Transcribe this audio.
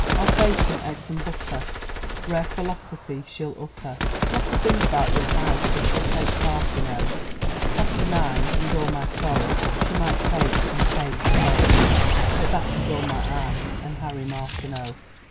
Of bacon, eggs, and butter, Rare philosophy she'll utter; Not a thing about your house but she'll take part in, O! As to mine, with all my soul, She might take (and pay) the whole But that is all my eye and Harry Martineau!